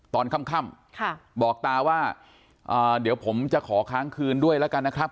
ตอนค่ำบอกตาว่าเดี๋ยวผมจะขอค้างคืนด้วยแล้วกันนะครับ